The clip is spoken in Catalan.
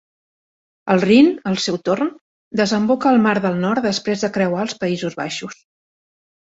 El Rin, al seu torn, desemboca al Mar del Nord després de creuar els Països Baixos.